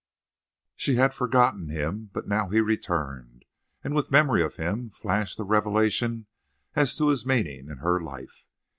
She had forgotten him. But he now returned. And with memory of him flashed a revelation as to his meaning in her life.